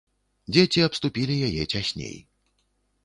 Дзеці абступілі яе цясней.